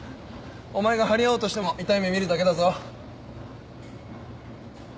お前が張り合おうとしても痛い目見るだけだぞ。